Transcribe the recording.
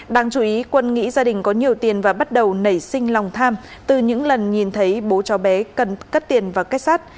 đáng chú ý quân nghĩ gia đình có nhiều tiền và bắt đầu nảy sinh lòng tham từ những lần nhìn thấy bố cháu bé cần cắt tiền và kết sát